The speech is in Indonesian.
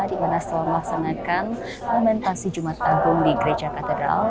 dimana setelah melaksanakan lamentasi jumat agung di gereja katedral